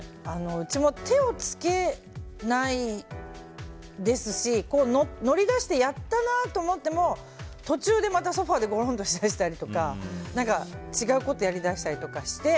うちも手を付けないですし乗り出して、やったなと思っても途中でまたソファでごろんとしだしたりとか違うことやりだしたりとかして。